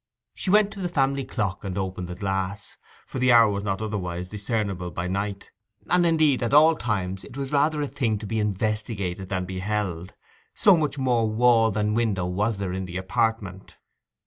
She went to the family clock and opened the glass, for the hour was not otherwise discernible by night, and indeed at all times was rather a thing to be investigated than beheld, so much more wall than window was there in the apartment.